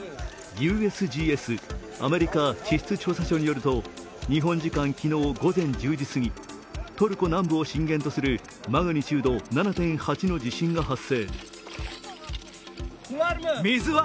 ＵＳＧＳ＝アメリカ地質調査所によると日本時間昨日午前１０時すぎトルコ南部を震源とするマグニチュード７．８の地震が発生。